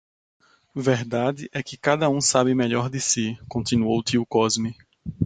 Verdade é que cada um sabe melhor de si, continuou tio Cosme.